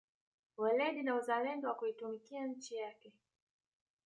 Weledi na uzalendo wa kuitumikia nchi yake